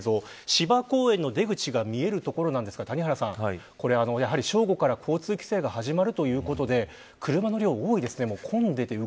芝公園の出口が見える所なんですがやはり、正午から交通規制が始まるということで車の量、多いですね。